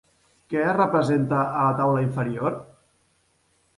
Què es representa a la taula inferior?